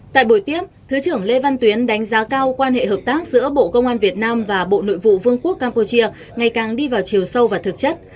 tại buổi tiếp thứ trưởng lê văn tuyến đánh giá cao quan hệ hợp tác giữa bộ công an việt nam và bộ nội vụ vương quốc campuchia ngày càng đi vào chiều sâu và thực chất